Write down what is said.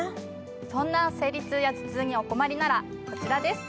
そんな生理痛や頭痛にお困りならこちらです。